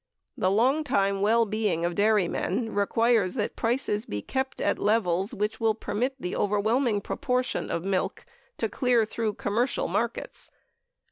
The longtime well being of dairymen ... requires that prices be kept at levels which will permit the overwhelming proportion of milk to clear through commercial markets.